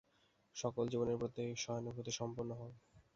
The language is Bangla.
সকল জীবের প্রতি সহানুভূতিসম্পন্ন হও।